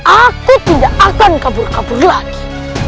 aku tidak akan kabur kabur lagi